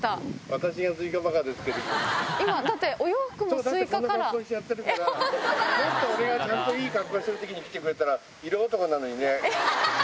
私が、今だって、もっと俺が、ちゃんといい格好してるとき、来てくれたら、色男なのにね。